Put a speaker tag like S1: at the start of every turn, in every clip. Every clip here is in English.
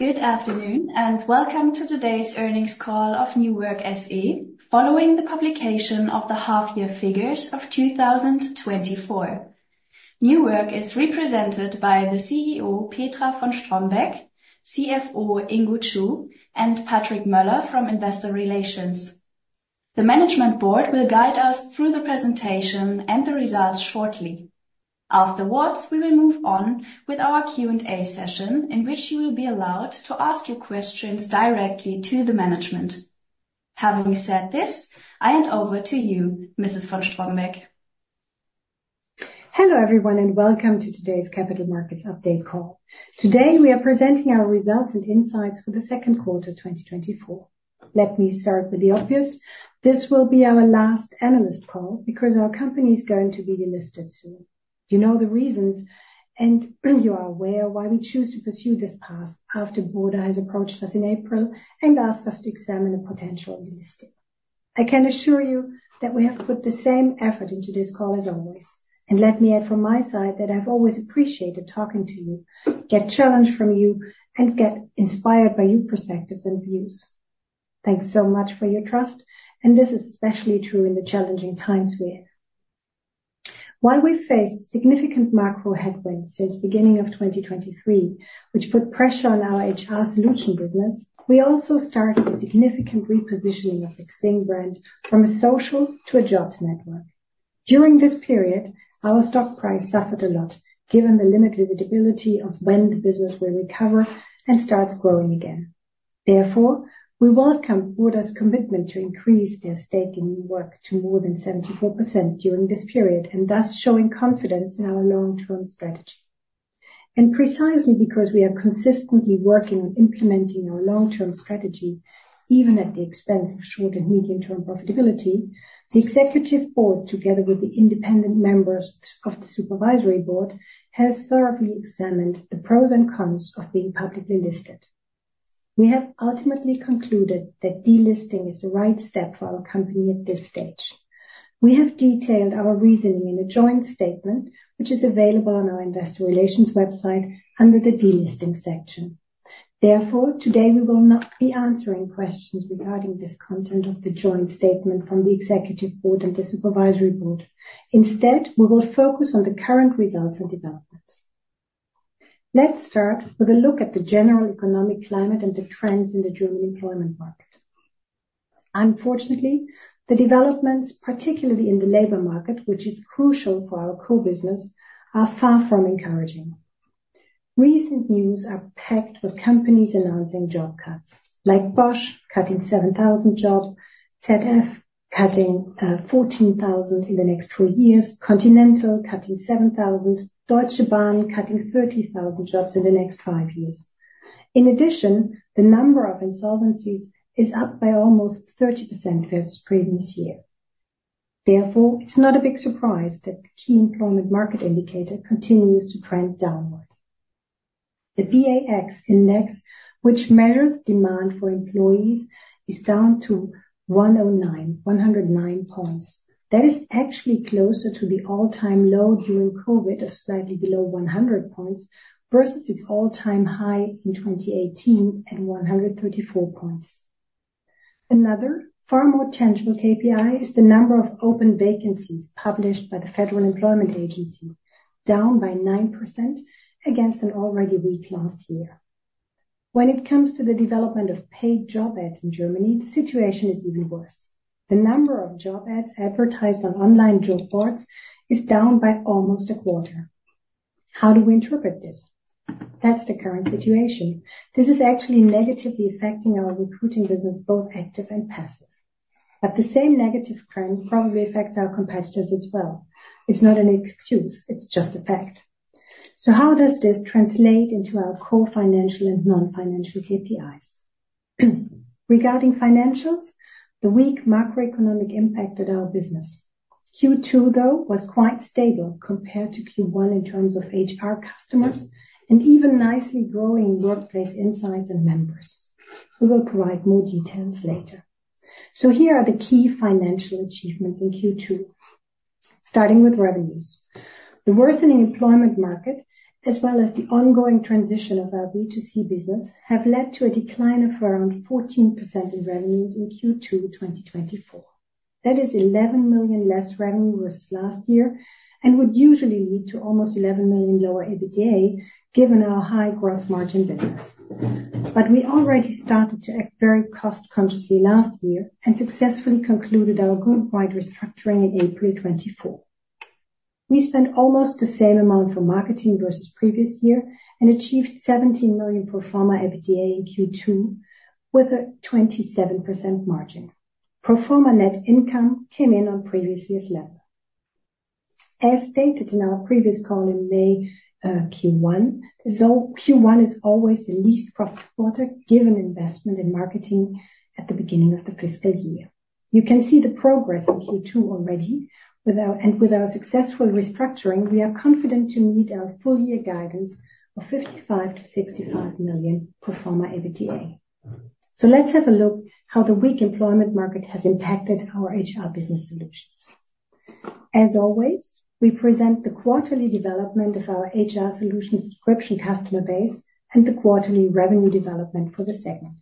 S1: Good afternoon, and welcome to today's earnings call of New Work SE, following the publication of the half-year figures of 2024. New Work is represented by the CEO, Petra von Strombeck, CFO, Ingo Chu, and Patrick Möller from Investor Relations. The management board will guide us through the presentation and the results shortly. Afterwards, we will move on with our Q&A session, in which you will be allowed to ask your questions directly to the management. Having said this, I hand over to you, Mrs. von Strombeck.
S2: Hello, everyone, and welcome to today's Capital Markets update call. Today, we are presenting our results and insights for the second quarter of 2024. Let me start with the obvious: this will be our last analyst call because our company is going to be delisted soon. You know the reasons, and you are aware why we choose to pursue this path after Burda has approached us in April and asked us to examine the potential delisting. I can assure you that we have put the same effort into this call as always, and let me add from my side that I've always appreciated talking to you, get challenged from you, and get inspired by your perspectives and views. Thanks so much for your trust, and this is especially true in the challenging times we're in. While we faced significant macro headwinds since beginning of 2023, which put pressure on our HR solution business, we also started a significant repositioning of the XING brand from a social to a jobs network. During this period, our stock price suffered a lot, given the limited visibility of when the business will recover and starts growing again. Therefore, we welcome Burda's commitment to increase their stake in New Work to more than 74% during this period, and thus showing confidence in our long-term strategy. Precisely because we are consistently working on implementing our long-term strategy, even at the expense of short and medium-term profitability, the executive board, together with the independent members of the supervisory board, has thoroughly examined the pros and cons of being publicly listed. We have ultimately concluded that delisting is the right step for our company at this stage. We have detailed our reasoning in a joint statement, which is available on our Investor Relations website under the Delisting section. Therefore, today, we will not be answering questions regarding this content of the joint statement from the executive board and the supervisory board. Instead, we will focus on the current results and developments. Let's start with a look at the general economic climate and the trends in the German employment market. Unfortunately, the developments, particularly in the labor market, which is crucial for our core business, are far from encouraging. Recent news are packed with companies announcing job cuts, like Bosch cutting 7,000 jobs, ZF cutting 14,000 in the next 2 years, Continental cutting 7,000, Deutsche Bahn cutting 30,000 jobs in the next 5 years. In addition, the number of insolvencies is up by almost 30% versus previous year. Therefore, it's not a big surprise that the key employment market indicator continues to trend downward. The BA-X index, which measures demand for employees, is down to 109, 109 points. That is actually closer to the all-time low during COVID of slightly below 100 points versus its all-time high in 2018 at 134 points. Another far more tangible KPI is the number of open vacancies published by the Federal Employment Agency, down by 9% against an already weak last year. When it comes to the development of paid job ads in Germany, the situation is even worse. The number of job ads advertised on online job boards is down by almost a quarter. How do we interpret this? That's the current situation. This is actually negatively affecting our recruiting business, both active and passive. But the same negative trend probably affects our competitors as well. It's not an excuse, it's just a fact. So how does this translate into our core financial and non-financial KPIs? Regarding financials, the weak macroeconomic impacted our business. Q2, though, was quite stable compared to Q1 in terms of HR customers and even nicely growing workplace insights and members. We will provide more details later. So here are the key financial achievements in Q2. Starting with revenues. The worsening employment market, as well as the ongoing transition of our B2C business, have led to a decline of around 14% in revenues in Q2 2024. That is 11 million less revenue versus last year and would usually lead to almost 11 million lower EBITDA, given our high gross margin business. But we already started to act very cost-consciously last year and successfully concluded our group-wide restructuring in April 2024. We spent almost the same amount for marketing versus previous year and achieved 17 million pro forma EBITDA in Q2 with a 27% margin. Pro forma net income came in on previous year's level. As stated in our previous call in May, Q1, so Q1 is always the least profitable quarter, given investment in marketing at the beginning of the fiscal year. You can see the progress in Q2 already. With our successful restructuring, we are confident to meet our full year guidance of 55 million-65 million pro forma EBITDA. So let's have a look how the weak employment market has impacted our HR business solutions. As always, we present the quarterly development of our HR solution subscription customer base and the quarterly revenue development for the segment.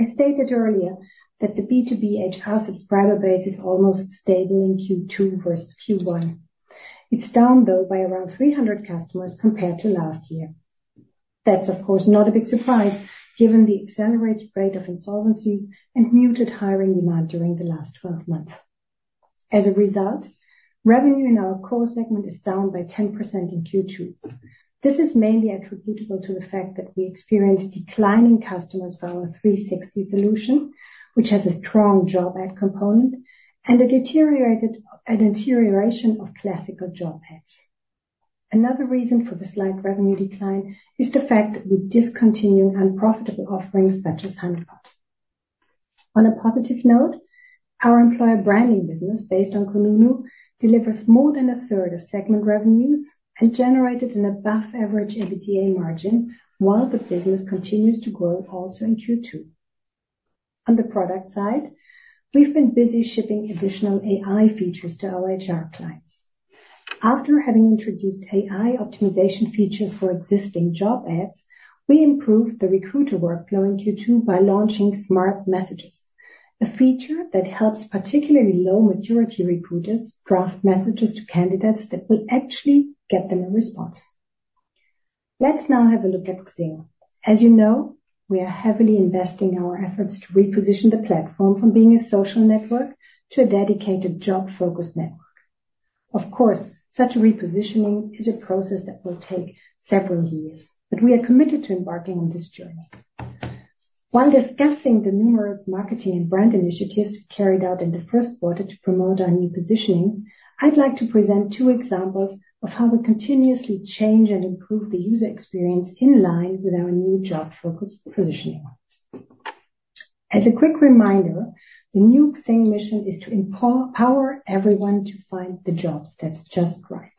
S2: I stated earlier that the B2B HR subscriber base is almost stable in Q2 versus Q1. It's down, though, by around 300 customers compared to last year. That's, of course, not a big surprise, given the accelerated rate of insolvencies and muted hiring demand during the last 12 months. As a result, revenue in our core segment is down by 10% in Q2. This is mainly attributable to the fact that we experienced declining customers for our XING 360 solution, which has a strong job ad component and a deterioration of classical job ads. Another reason for the slight revenue decline is the fact that we discontinue unprofitable offerings such as Honeypot. On a positive note, our employer branding business, based on Kununu, delivers more than a third of segment revenues and generated an above-average EBITDA margin, while the business continues to grow also in Q2. On the product side, we've been busy shipping additional AI features to our HR clients. After having introduced AI optimization features for existing job ads, we improved the recruiter workflow in Q2 by launching Smart Messages, a feature that helps particularly low-maturity recruiters draft messages to candidates that will actually get them a response. Let's now have a look at XING. As you know, we are heavily investing our efforts to reposition the platform from being a social network to a dedicated job-focused network. Of course, such a repositioning is a process that will take several years, but we are committed to embarking on this journey. While discussing the numerous marketing and brand initiatives we carried out in the first quarter to promote our new positioning, I'd like to present two examples of how we continuously change and improve the user experience in line with our new job-focused positioning. As a quick reminder, the new XING mission is to empower everyone to find the jobs that's just right.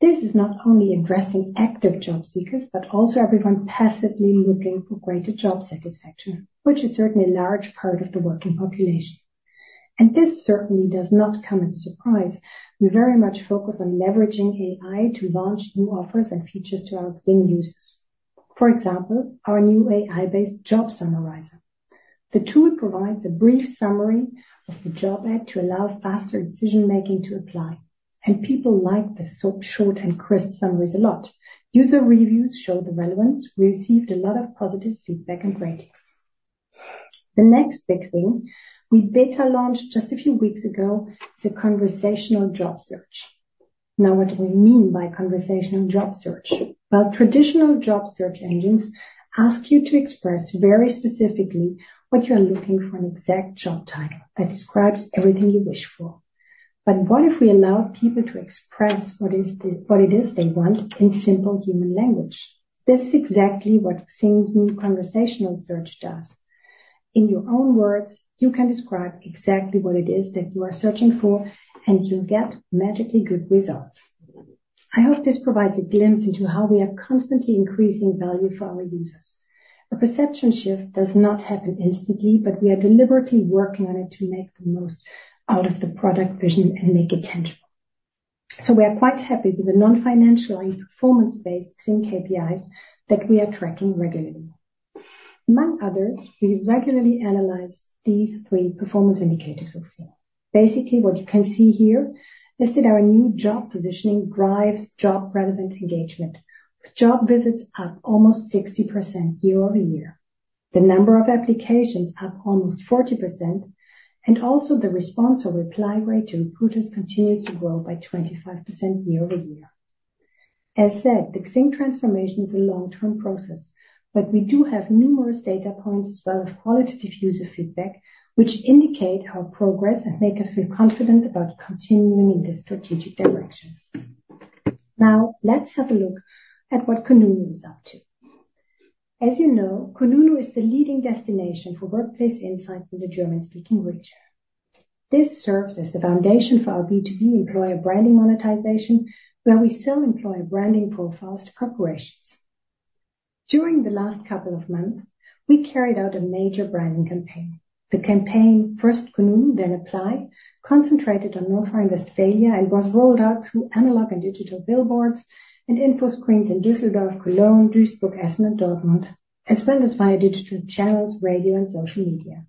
S2: This is not only addressing active job seekers, but also everyone passively looking for greater job satisfaction, which is certainly a large part of the working population. This certainly does not come as a surprise. We very much focus on leveraging AI to launch new offers and features to our XING users. For example, our new AI-based Job Summarizer. The tool provides a brief summary of the job ad to allow faster decision-making to apply, and people like the short and crisp summaries a lot. User reviews show the relevance. We received a lot of positive feedback and ratings. The next big thing we beta launched just a few weeks ago is a Conversational Job Search. Now, what do we mean by Conversational Job Search? Well, traditional job search engines ask you to express very specifically what you are looking for an exact job title that describes everything you wish for. But what if we allow people to express what it is they want in simple human language? This is exactly what XING's new conversational search does. In your own words, you can describe exactly what it is that you are searching for, and you'll get magically good results. I hope this provides a glimpse into how we are constantly increasing value for our users. A perception shift does not happen instantly, but we are deliberately working on it to make the most out of the product vision and make it tangible. So we are quite happy with the non-financial and performance-based XING KPIs that we are tracking regularly. Among others, we regularly analyze these three performance indicators for XING. Basically, what you can see here is that our new job positioning drives job-relevant engagement, with job visits up almost 60% year-over-year. The number of applications up almost 40%, and also the response or reply rate to recruiters continues to grow by 25% year-over-year. As said, the XING transformation is a long-term process, but we do have numerous data points as well as qualitative user feedback, which indicate our progress and make us feel confident about continuing in this strategic direction. Now, let's have a look at what Kununu is up to. As you know, Kununu is the leading destination for workplace insights in the German-speaking region. This serves as the foundation for our B2B employer branding monetization, where we still employ branding profiles to corporations. During the last couple of months, we carried out a major branding campaign. The campaign, First Kununu, Then Apply, concentrated on North Rhine-Westphalia and was rolled out through analog and digital billboards and info screens in Düsseldorf, Cologne, Duisburg, Essen, and Dortmund, as well as via digital channels, radio, and social media.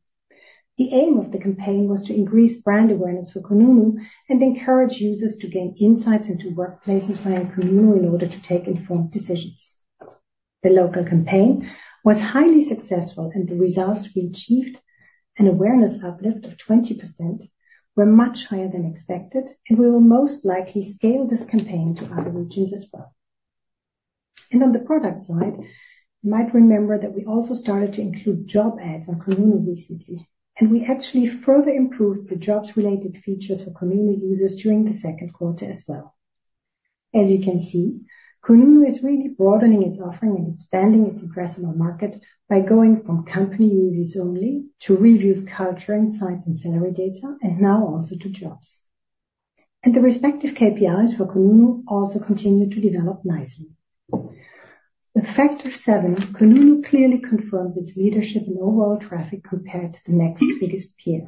S2: The aim of the campaign was to increase brand awareness for Kununu and encourage users to gain insights into workplaces via Kununu in order to make informed decisions. The local campaign was highly successful, and the results we achieved, an awareness uplift of 20%, were much higher than expected, and we will most likely scale this campaign to other regions as well. On the product side, you might remember that we also started to include job ads on Kununu recently, and we actually further improved the jobs-related features for Kununu users during the second quarter as well. As you can see, Kununu is really broadening its offering and expanding its addressable market by going from company reviews only to reviews, culture, insights, and salary data, and now also to jobs. The respective KPIs for Kununu also continue to develop nicely... A factor of seven, Kununu clearly confirms its leadership in overall traffic compared to the next biggest peer.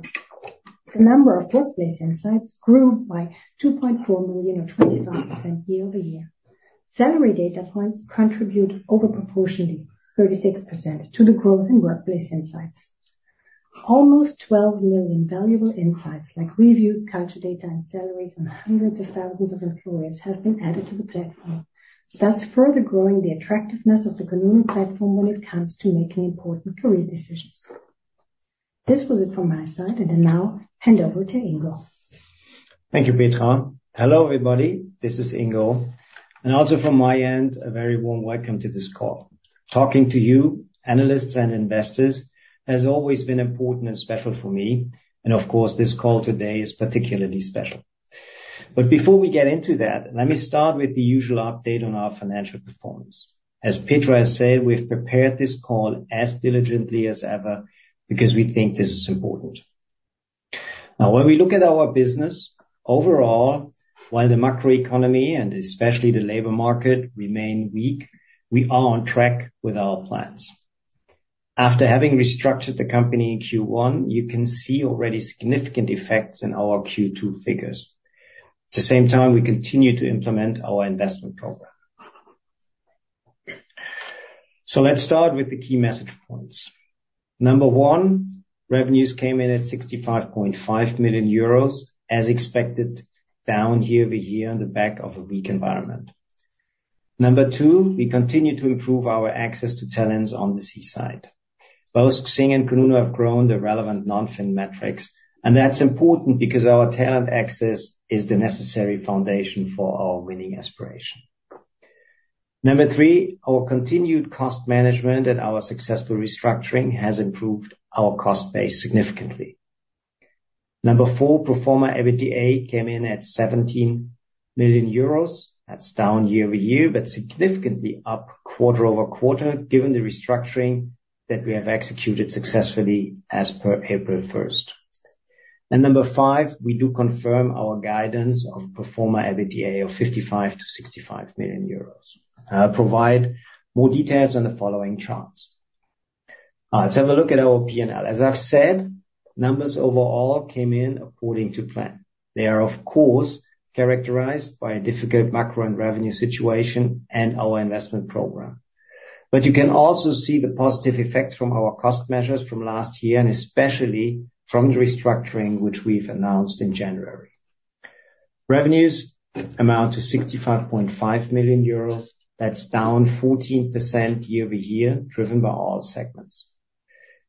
S2: The number of workplace insights grew by 2.4 million, or 25% year-over-year. Salary data points contribute over proportionally, 36%, to the growth in workplace insights. Almost 12 million valuable insights, like reviews, culture data, and salaries, and hundreds of thousands of employees have been added to the platform, thus further growing the attractiveness of the Kununu platform when it comes to making important career decisions. This was it from my side, and I now hand over to Ingo.
S3: Thank you, Petra. Hello, everybody. This is Ingo, and also from my end, a very warm welcome to this call. Talking to you, analysts and investors, has always been important and special for me, and of course, this call today is particularly special. But before we get into that, let me start with the usual update on our financial performance. As Petra has said, we've prepared this call as diligently as ever because we think this is important. Now, when we look at our business, overall, while the macroeconomy, and especially the labor market, remain weak, we are on track with our plans. After having restructured the company in Q1, you can see already significant effects in our Q2 figures. At the same time, we continue to implement our investment program. So let's start with the key message points. Number one, revenues came in at 65.5 million euros, as expected, down year-over-year on the back of a weak environment. Number two, we continue to improve our access to talents on the C side. Both XING and Kununu have grown the relevant non-fin metrics, and that's important because our talent access is the necessary foundation for our winning aspiration. Number three, our continued cost management and our successful restructuring has improved our cost base significantly. Number four, pro forma EBITDA came in at 17 million euros. That's down year-over-year, but significantly up quarter-over-quarter, given the restructuring that we have executed successfully as per April first. Number five, we do confirm our guidance of pro forma EBITDA of 55 million-65 million euros. I'll provide more details on the following charts. Let's have a look at our P&L. As I've said, numbers overall came in according to plan. They are, of course, characterized by a difficult macro and revenue situation and our investment program. But you can also see the positive effects from our cost measures from last year, and especially from the restructuring, which we've announced in January. Revenues amount to 65.5 million euro. That's down 14% year-over-year, driven by all segments.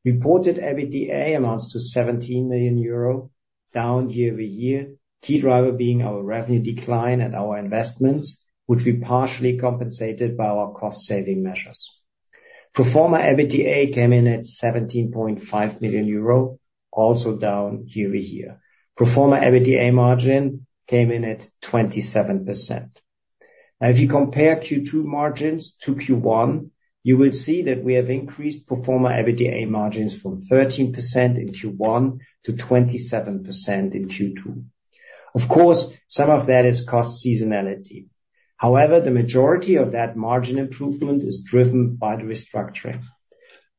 S3: Reported EBITDA amounts to 17 million euro, down year-over-year, key driver being our revenue decline and our investments, which we partially compensated by our cost-saving measures. Pro forma EBITDA came in at 17.5 million euro, also down year-over-year. Pro forma EBITDA margin came in at 27%. Now, if you compare Q2 margins to Q1, you will see that we have increased pro forma EBITDA margins from 13% in Q1 to 27% in Q2. Of course, some of that is cost seasonality. However, the majority of that margin improvement is driven by the restructuring.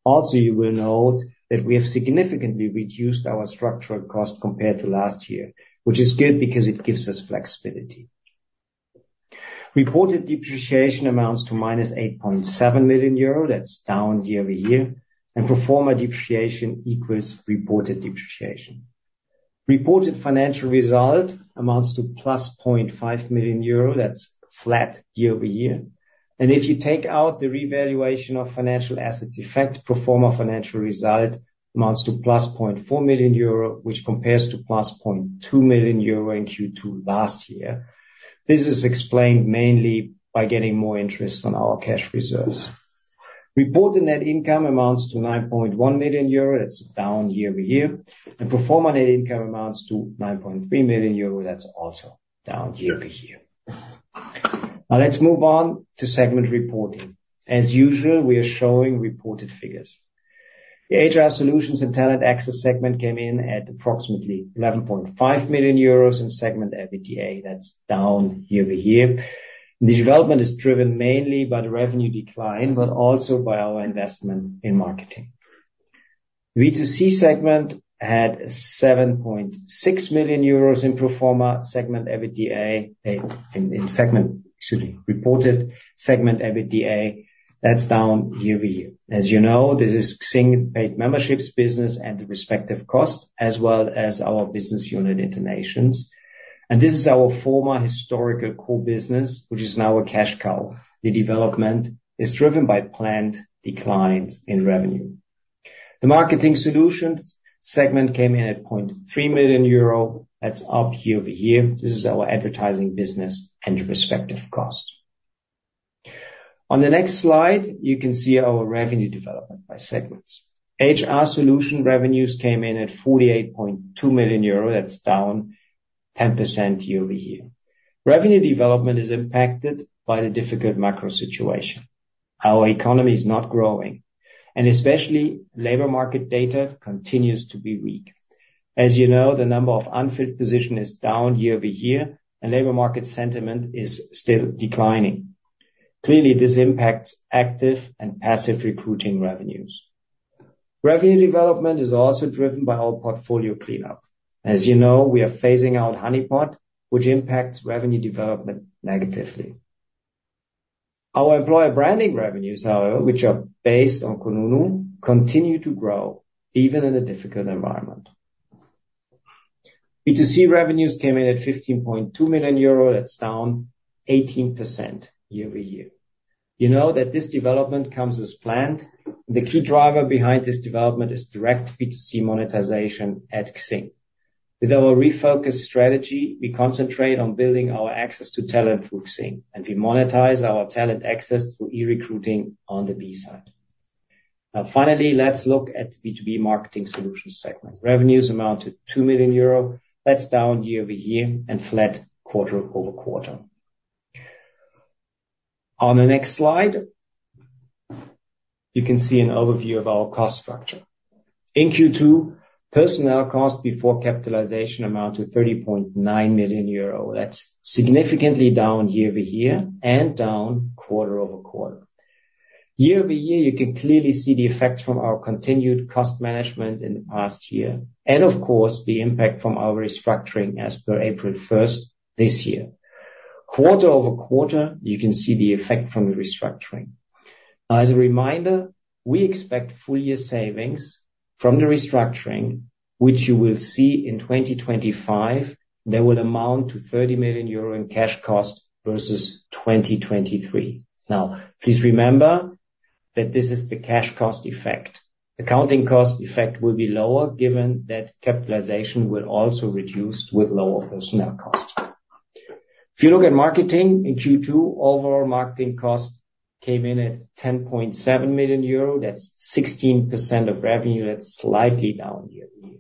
S3: Also, you will note that we have significantly reduced our structural cost compared to last year, which is good because it gives us flexibility. Reported depreciation amounts to -8.7 million euro. That's down year-over-year. Pro forma depreciation equals reported depreciation. Reported financial result amounts to +0.5 million euro. That's flat year-over-year. If you take out the revaluation of financial assets effect, pro forma financial result amounts to +0.4 million euro, which compares to +0.2 million euro in Q2 last year. This is explained mainly by getting more interest on our cash reserves. Reported net income amounts to 9.1 million euro. That's down year-over-year. Pro forma net income amounts to 9.3 million euro. That's also down year-over-year. Now let's move on to segment reporting. As usual, we are showing reported figures. The HR solutions and talent access segment came in at approximately 11.5 million euros in segment EBITDA. That's down year-over-year. The development is driven mainly by the revenue decline, but also by our investment in marketing. B2C segment had 7.6 million euros in pro forma segment EBITDA, excuse me, reported segment EBITDA. That's down year-over-year. As you know, this is XING paid memberships business and the respective cost, as well as our business unit innovations. And this is our former historical core business, which is now a cash cow. The development is driven by planned declines in revenue. The marketing solutions segment came in at 0.3 million euro. That's up year-over-year. This is our advertising business and respective cost. On the next slide, you can see our revenue development by segments. HR solution revenues came in at 48.2 million euro. That's down 10% year-over-year. Revenue development is impacted by the difficult macro situation. Our economy is not growing, and especially labor market data continues to be weak. As you know, the number of unfilled position is down year-over-year, and labor market sentiment is still declining. Clearly, this impacts active and passive recruiting revenues. Revenue development is also driven by our portfolio cleanup. As you know, we are phasing out Honeypot, which impacts revenue development negatively. Our employer branding revenues, however, which are based on Kununu, continue to grow even in a difficult environment. B2C revenues came in at 15.2 million euro. That's down 18% year-over-year. You know that this development comes as planned. The key driver behind this development is direct B2C monetization at XING. With our refocused strategy, we concentrate on building our access to talent through XING, and we monetize our talent access through e-recruiting on the B side. Now, finally, let's look at the B2B marketing solutions segment. Revenues amount to 2 million euro. That's down year-over-year and flat quarter-over-quarter. On the next slide, you can see an overview of our cost structure. In Q2, personnel costs before capitalization amount to 30.9 million euro. That's significantly down year-over-year and down quarter-over-quarter. Year-over-year, you can clearly see the effect from our continued cost management in the past year and, of course, the impact from our restructuring as per April first this year. Quarter-over-quarter, you can see the effect from the restructuring. As a reminder, we expect full year savings from the restructuring, which you will see in 2025. They will amount to 30 million euro in cash cost versus 2023. Now, please remember that this is the cash cost effect. Accounting cost effect will be lower, given that capitalization will also reduce with lower personnel cost. If you look at marketing in Q2, overall marketing costs came in at 10.7 million euro. That's 16% of revenue. That's slightly down year-over-year.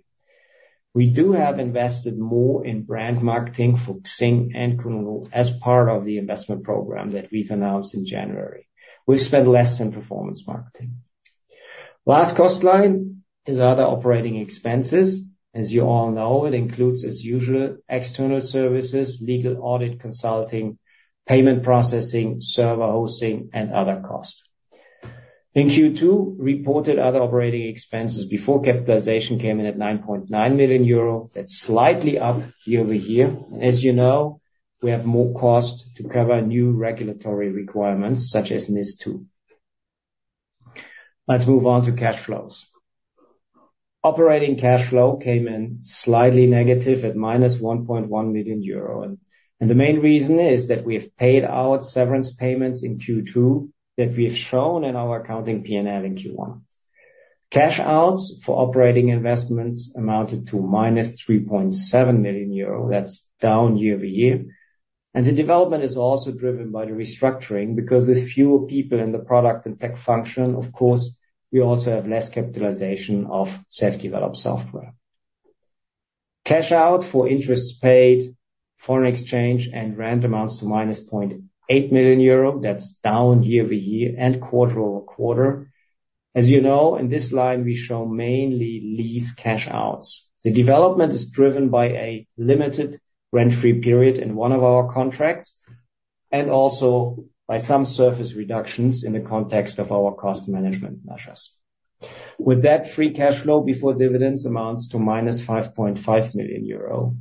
S3: We do have invested more in brand marketing for XING and Kununu as part of the investment program that we've announced in January. We've spent less in performance marketing. Last cost line is other operating expenses. As you all know, it includes, as usual, external services, legal, audit, consulting, payment processing, server hosting, and other costs. In Q2, reported other operating expenses before capitalization came in at 9.9 million euro. That's slightly up year-over-year. As you know, we have more cost to cover new regulatory requirements, such as NIS2. Let's move on to cash flows. Operating cash flow came in slightly negative at minus 1.1 million euro, and the main reason is that we have paid out severance payments in Q2 that we have shown in our accounting P&L in Q1. Cash outs for operating investments amounted to minus 3.7 million euro. That's down year-over-year. The development is also driven by the restructuring, because with fewer people in the product and tech function, of course, we also have less capitalization of self-developed software. Cash out for interest paid, foreign exchange, and rent amounts to minus 0.8 million euro. That's down year-over-year and quarter-over-quarter. As you know, in this line, we show mainly lease cash outs. The development is driven by a limited rent-free period in one of our contracts and also by some surface reductions in the context of our cost management measures. With that, free cash flow before dividends amounts to minus 5.5 million euro.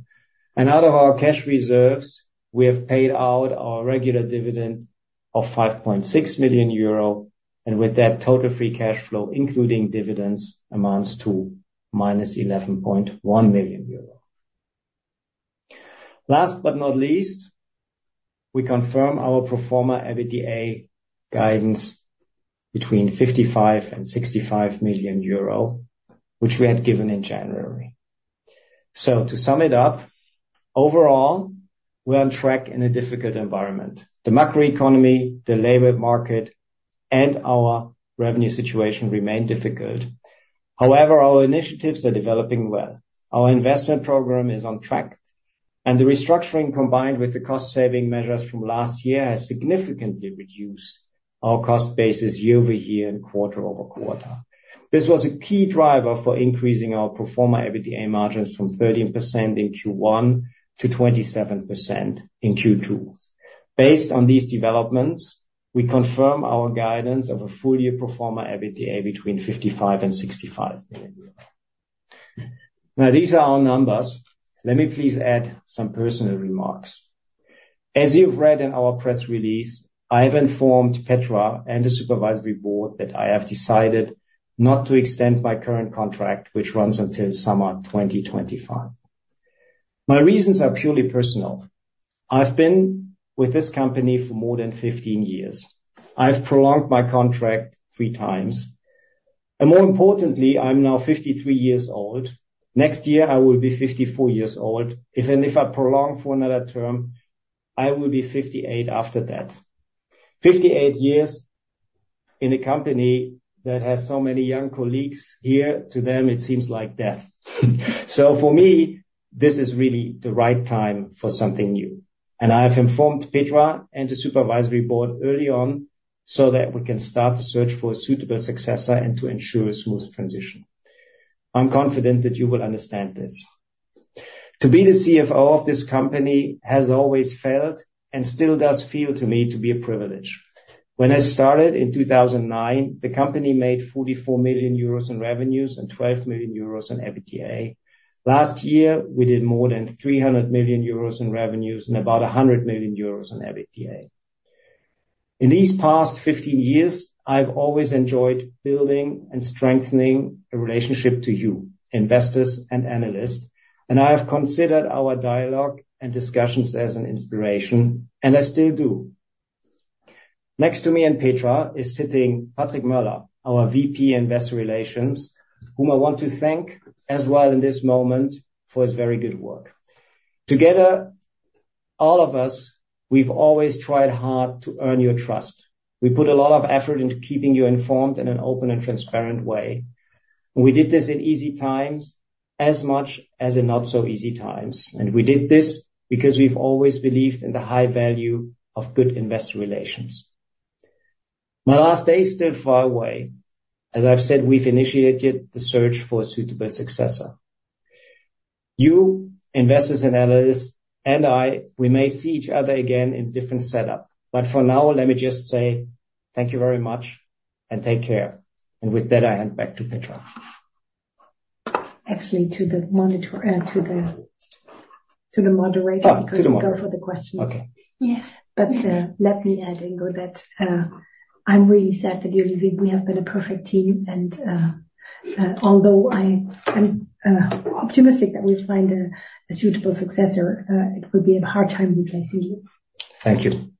S3: And out of our cash reserves, we have paid out our regular dividend of 5.6 million euro, and with that, total free cash flow, including dividends, amounts to minus 11.1 million euro. Last but not least, we confirm our pro forma EBITDA guidance between 55 million and 65 million euro, which we had given in January. So to sum it up, overall, we're on track in a difficult environment. The macroeconomy, the labor market, and our revenue situation remain difficult. However, our initiatives are developing well. Our investment program is on track, and the restructuring, combined with the cost-saving measures from last year, has significantly reduced our cost basis year-over-year and quarter-over-quarter. This was a key driver for increasing our pro forma EBITDA margins from 13% in Q1 to 27% in Q2. Based on these developments, we confirm our guidance of a full-year pro forma EBITDA between 55 million and 65 million euros. Now, these are our numbers. Let me please add some personal remarks. As you've read in our press release, I have informed Petra and the supervisory board that I have decided not to extend my current contract, which runs until summer 2025. My reasons are purely personal. I've been with this company for more than 15 years. I've prolonged my contract three times. And more importantly, I'm now 53 years old. Next year, I will be 54 years old, if then if I prolong for another term, I will be 58 after that. 58 years in a company that has so many young colleagues here, to them, it seems like death. So for me, this is really the right time for something new. And I have informed Petra and the supervisory board early on so that we can start to search for a suitable successor and to ensure a smooth transition. I'm confident that you will understand this. To be the CFO of this company has always felt, and still does feel to me, to be a privilege. When I started in 2009, the company made 44 million euros in revenues and 12 million euros in EBITDA. Last year, we did more than 300 million euros in revenues and about 100 million euros in EBITDA. In these past 15 years, I've always enjoyed building and strengthening a relationship to you, investors and analysts, and I have considered our dialogue and discussions as an inspiration, and I still do. Next to me and Petra is sitting Patrick Möller, our VP Investor Relations, whom I want to thank as well in this moment for his very good work. Together, all of us, we've always tried hard to earn your trust. We put a lot of effort into keeping you informed in an open and transparent way. We did this in easy times as much as in not-so-easy times, and we did this because we've always believed in the high value of good investor relations. My last day is still far away. As I've said, we've initiated the search for a suitable successor. You, investors and analysts, and I, we may see each other again in a different setup, but for now, let me just say thank you very much, and take care. And with that, I hand back to Petra.
S2: Actually, to the moderator-
S3: Ah, to the moderator.
S2: because we go for the questions.
S3: Okay.
S1: Yes.
S2: Let me add, Ingo, that I'm really sad that you're leaving. We have been a perfect team, and although I am optimistic that we'll find a suitable successor, it will be a hard time replacing you.
S3: Thank you.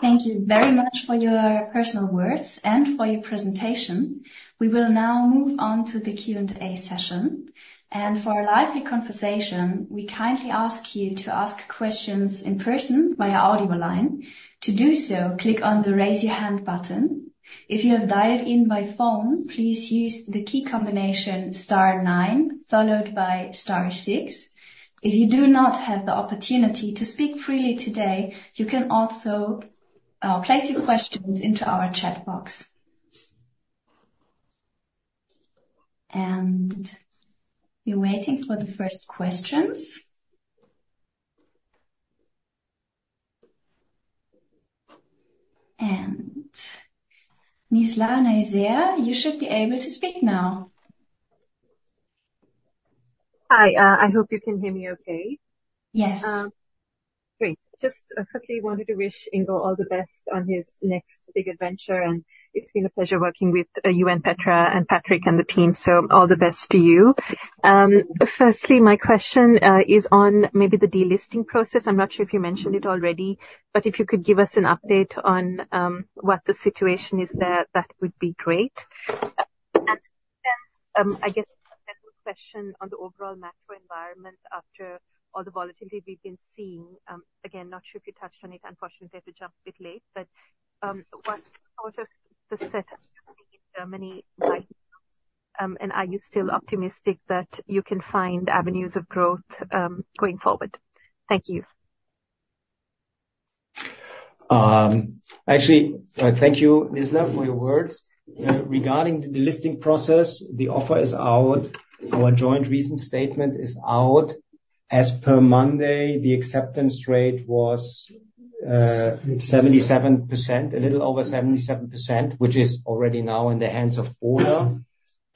S1: Thank you very much for your personal words and for your presentation. We will now move on to the Q&A session, and for a lively conversation, we kindly ask you to ask questions in person via audio line. To do so, click on the Raise Your Hand button. If you have dialed in by phone, please use the key combination star nine, followed by star six. If you do not have the opportunity to speak freely today, you can also place your questions into our chat box. We're waiting for the first questions. Nizla Naizer, you should be able to speak now.
S4: Hi, I hope you can hear me okay.
S1: Yes.
S4: Great. Just quickly wanted to wish Ingo all the best on his next big adventure, and it's been a pleasure working with you and Petra and Patrick and the team, so all the best to you. Firstly, my question is on maybe the delisting process. I'm not sure if you mentioned it already, but if you could give us an update on what the situation is there, that would be great. And I guess a general question on the overall macro environment after all the volatility we've been seeing. Again, not sure if you touched on it. Unfortunately, I had to jump a bit late, but what's sort of the setup you see in Germany? And are you still optimistic that you can find avenues of growth going forward? Thank you.
S3: Actually, thank you, Nizla, for your words. Regarding the delisting process, the offer is out. Our joint recent statement is out. As per Monday, the acceptance rate was 77%, a little over 77%, which is already now in the hands of Burda.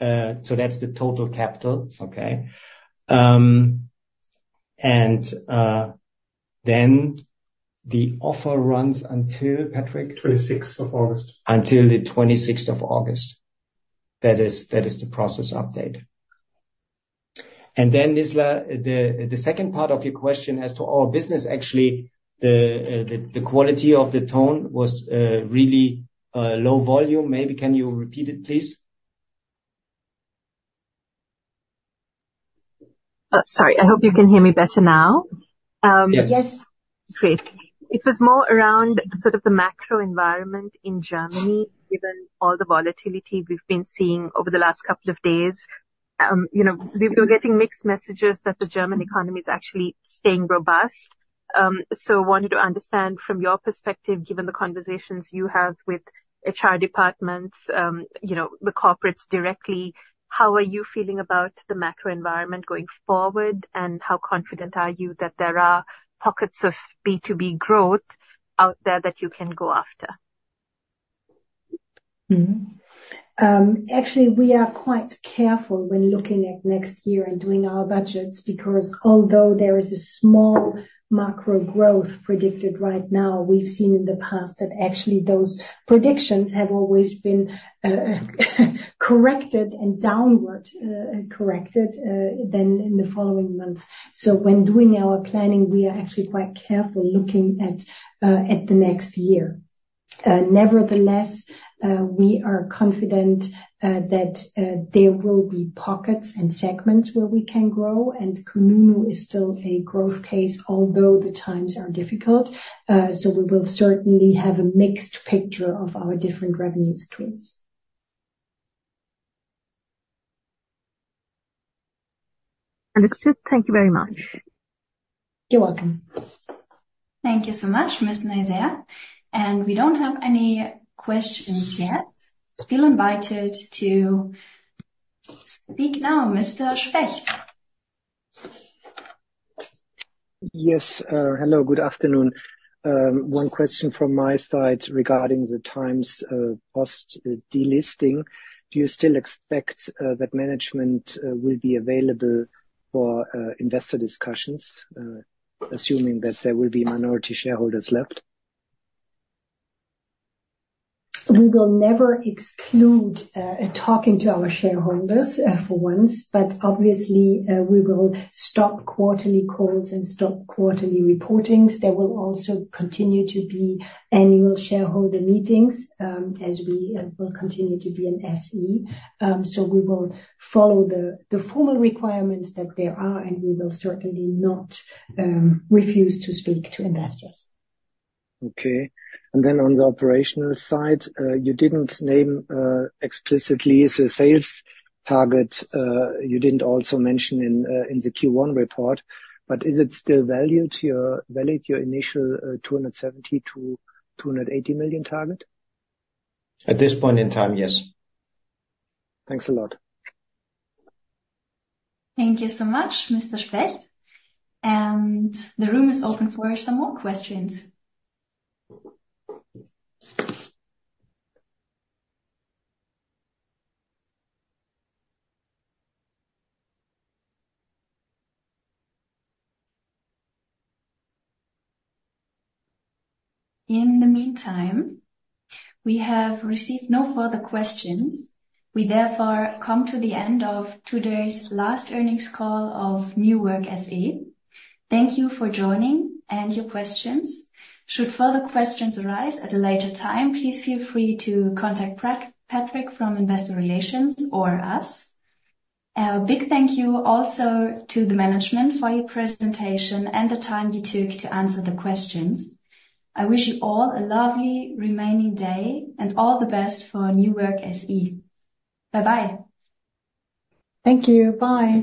S3: So that's the total capital. Okay? And then the offer runs until, Patrick?
S5: August 26th.
S3: Until the August 26th. That is the process update. And then, Nizla, the second part of your question as to our business, actually, the quality of the tone was really low volume. Maybe can you repeat it, please?
S4: Sorry, I hope you can hear me better now.
S3: Yes.
S1: Yes.
S4: Great. It was more around sort of the macro environment in Germany, given all the volatility we've been seeing over the last couple of days. You know, we've been getting mixed messages that the German economy is actually staying robust. So wanted to understand from your perspective, given the conversations you have with HR departments, you know, the corporates directly, how are you feeling about the macro environment going forward? And how confident are you that there are pockets of B2B growth out there that you can go after?
S2: Mm-hmm. Actually, we are quite careful when looking at next year and doing our budgets, because although there is a small macro growth predicted right now, we've seen in the past that actually those predictions have always been corrected downward than in the following months. So when doing our planning, we are actually quite careful looking at the next year. Nevertheless, we are confident that there will be pockets and segments where we can grow, and Kununu is still a growth case, although the times are difficult. So we will certainly have a mixed picture of our different revenue streams.
S4: Understood. Thank you very much....
S1: You're welcome. Thank you so much, Ms. Naizer. We don't have any questions yet. Still invited to speak now, Mr. Specht.
S6: Yes, hello, good afternoon. One question from my side regarding the times post delisting. Do you still expect that management will be available for investor discussions, assuming that there will be minority shareholders left?
S2: We will never exclude talking to our shareholders for once, but obviously we will stop quarterly calls and stop quarterly reportings. There will also continue to be annual shareholder meetings, as we will continue to be an SE. So we will follow the formal requirements that there are, and we will certainly not refuse to speak to investors.
S6: Okay. Then on the operational side, you didn't name explicitly the sales target. You didn't also mention in the Q1 report, but is it still valid, your initial 270 million-280 million target?
S3: At this point in time, yes.
S6: Thanks a lot.
S1: Thank you so much, Mr. Specht. The room is open for some more questions. In the meantime, we have received no further questions. We therefore come to the end of today's last earnings call of New Work SE. Thank you for joining and your questions. Should further questions arise at a later time, please feel free to contact Patrick from Investor Relations or us. A big thank you also to the management for your presentation and the time you took to answer the questions. I wish you all a lovely remaining day and all the best for New Work SE. Bye-bye.
S2: Thank you. Bye.